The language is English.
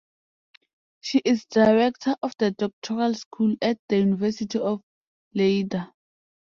She is Director of the Doctoral School at the University of Lleida.